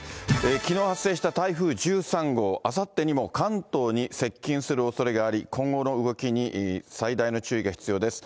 きのう発生した台風１３号、あさってにも関東に接近するおそれがあり、今後の動きに最大の注意が必要です。